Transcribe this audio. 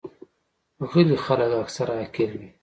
غلي خلک اکثره عاقل وي.